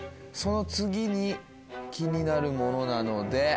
その次に気になるものなので。